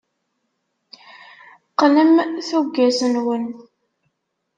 Qqnem tuggas-nwen.